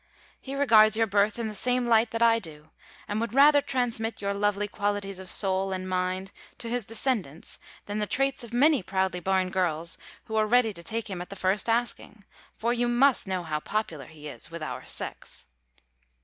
He regards your birth in the same light that I do, and would rather transmit your lovely qualities of soul and mind to his descendants than the traits of many proudly born girls who are ready to take him at the first asking: for you must know how popular he is with our sex.